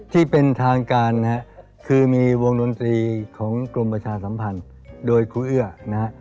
ที่เป็นทางการนะฮะคือมีวงดนตรีของกรมประชาสัมพันธ์โดยครูเอื้อนะฮะ